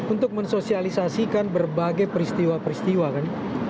untuk mensosialisasikan berbagai peristiwa peristiwa kan